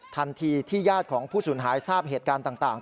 ทันทีที่ญาติของผู้สูญหายทราบเหตุการณ์ต่าง